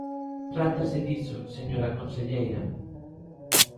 Trátase diso, señora conselleira.